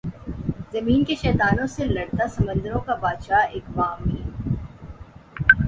زمین کے شیطانوں سے لڑتا سمندروں کا بادشاہ ایکوامین